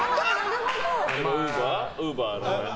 ウーバーの？